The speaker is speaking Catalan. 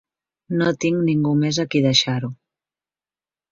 No tinc ningú més a qui deixar-ho.